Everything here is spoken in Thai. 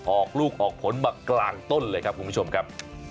ออกลูกออกผลมากลางต้นเลยครับคุณผู้ชมครับ